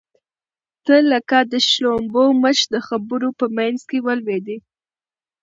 ته لکه د شړومبو مچ د خبرو په منځ کې ولوېدې.